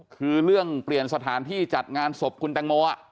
คือเรื่องเปลี่ยนสถานที่จัดงานศพคุณแตงโม